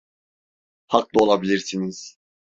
Haklı olabilirsiniz.